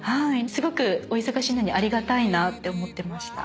すごくお忙しいのにありがたいなって思ってました。